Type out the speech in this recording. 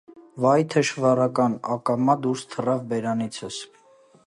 - Վա՛յ, թշվառակա՜ն,- ակամա դուրս թռավ բերանիցս: